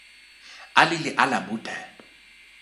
ali li ala mute!